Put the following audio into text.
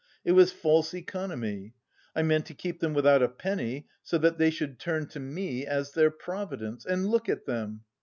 It was false economy! I meant to keep them without a penny so that they should turn to me as their providence, and look at them!